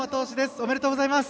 おめでとうございます。